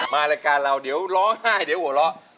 รายการเราเดี๋ยวร้องไห้เดี๋ยวหัวเราะ